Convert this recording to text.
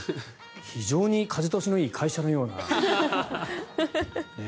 非常に風通しのよい会社のようなね。